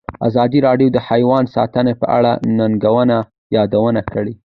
ازادي راډیو د حیوان ساتنه په اړه د ننګونو یادونه کړې.